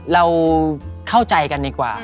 เราเข้าใจกันดีกว่า